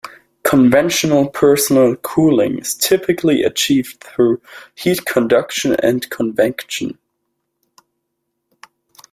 Conventional personal cooling is typically achieved through heat conduction and convection.